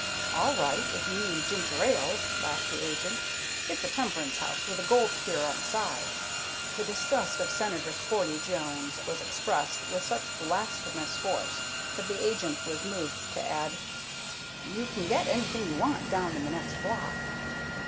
"All right, if you mean ginger ale," laughed the agent. "It's a temperance house, with a gold cure on the side." The disgust of Senator Sporty Jones was expressed with such blasphemous force that the agent was moved to add, "You can get anything you want down in the next block."